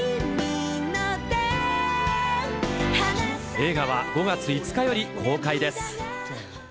映画は５月５日より公開です。